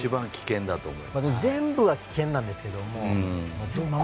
全部が危険なんですが。